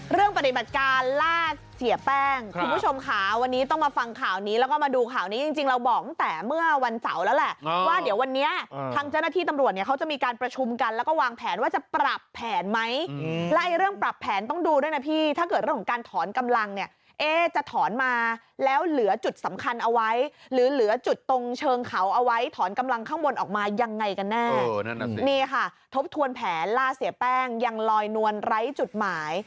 เรื่องปฏิบัติการล่าเสียแป้งคุณผู้ชมค่ะวันนี้ต้องมาฟังข่าวนี้แล้วก็มาดูข่าวนี้จริงจริงเราบอกแต่เมื่อวันเสาร์แล้วแหละว่าเดี๋ยววันนี้ทางเจ้าหน้าที่ตำรวจเนี่ยเขาจะมีการประชุมกันแล้วก็วางแผนว่าจะปรับแผนไหมและเรื่องปรับแผนต้องดูด้วยนะพี่ถ้าเกิดเรื่องของการถอนกำลังเนี่ยจะถอนมาแล้วเหลือ